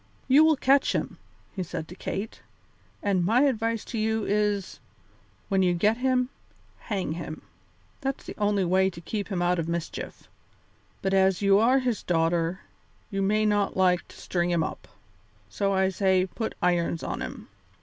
"You will catch him," said he to Kate, "and my advice to you is, when you get him, hang him. That's the only way to keep him out of mischief. But as you are his daughter, you may not like to string him up, so I say put irons on him.